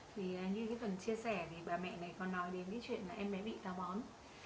vâng như phần chia sẻ thì bà mẹ này còn nói đến chuyện em bé bị táo bón